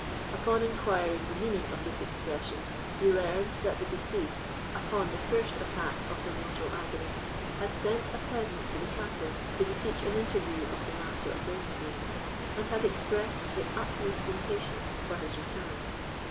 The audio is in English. Upon inquiring the meaning of this expression, he learned that the deceased, upon the first attack of the mortal agony, had sent a peasant to the castle to beseech an interview of the Master of Ravenswood, and had expressed the utmost impatience for his return.